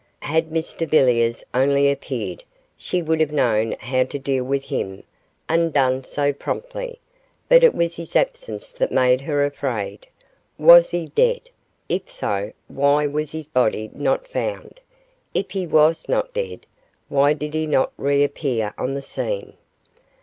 Had Mr Villiers only appeared, she would have known how to deal with him, and done so promptly, but it was his absence that made her afraid. Was he dead? If so, why was his body not found; if he was not dead, why did he not reappear on the scene.